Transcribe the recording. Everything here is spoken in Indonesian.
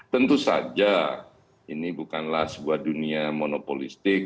tentu saja ini bukanlah sebuah dunia monopolistik